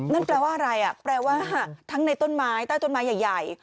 นั่นแปลว่าอะไรอ่ะแปลว่าทั้งในต้นไม้ใต้ต้นไม้ใหญ่